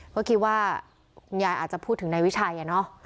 ก็คิดว่าคุณยายอาจจะพูดถึงในวิชัย